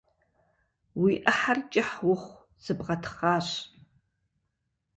Уи Ӏыхьэр кӀыхь ухъу, сыбгъэтхъащ!